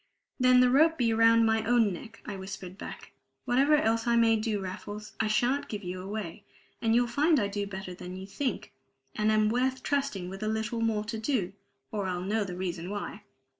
"Then the rope be round my own neck!" I whispered back. "Whatever else I may do, Raffles, I shan't give you away; and you'll find I do better than you think, and am worth trusting with a little more to do, or I'll know the reason why!"